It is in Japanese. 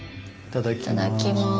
いただきます。